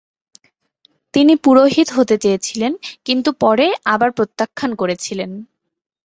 তিনি পুরোহিত হয়ে চেয়েছিলেন কিন্তু পরে আবার প্রত্যাখ্যান করেছিলেন।